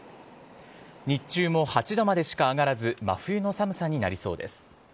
日中も８度までしか上がらず、真冬の寒さになりそうです。